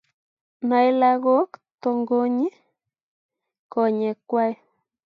Noei lagok, tongonyi konyek kwai